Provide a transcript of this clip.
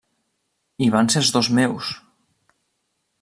I van ser els dos meus!